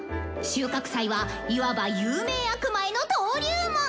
収穫祭はいわば有名悪魔への登竜門！